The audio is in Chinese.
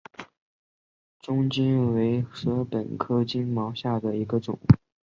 棕茅为禾本科金茅属下的一个种。